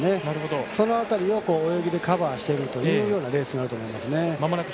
その辺りを泳ぎでカバーしているというようなレースになると思います。